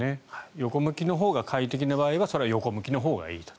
横向きのほうが快適の場合はそれは横向きのほうがいいと。